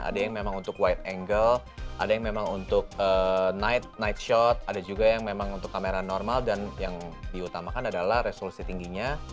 ada yang memang untuk wide angle ada yang memang untuk night shot ada juga yang memang untuk kamera normal dan yang diutamakan adalah resolusi tingginya